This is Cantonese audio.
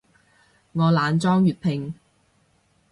我懶裝粵拼